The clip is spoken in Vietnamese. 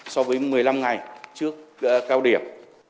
so với một mươi năm ngày trước cao điểm